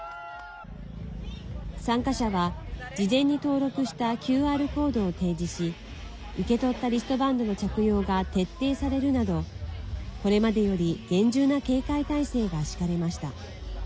参加者は、事前に登録したＱＲコードを提示し受け取ったリストバンドの着用が徹底されるなどこれまでより厳重な警戒態勢が敷かれました。